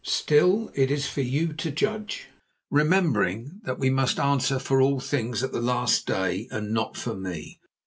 Still, it is for you to judge, remembering that we must answer for all things at the last day, and not for me.